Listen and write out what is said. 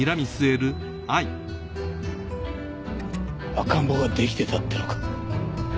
赤ん坊ができてたってのか。